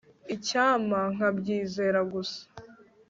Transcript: icyampa nkabyizera gusa